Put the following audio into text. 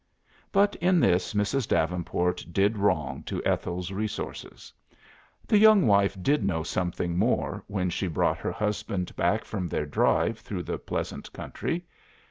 But in this Mrs. Davenport did wrong to Ethel's resources. The young wife did know something more when she brought her husband back from their drive through the pleasant country.